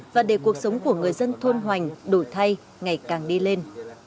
và để cuộc sống của người dân thôn hoành đổi thay ngày càng đi lên